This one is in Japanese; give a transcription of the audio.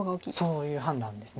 そういう判断です。